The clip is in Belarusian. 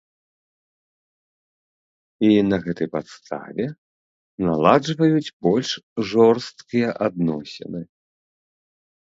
І на гэтай падставе наладжваюць больш жорсткія адносіны.